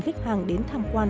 khách hàng đến tham quan